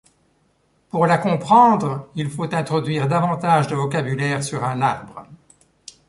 Pour la comprendre, il faut introduire davantage de vocabulaire sur un arbre.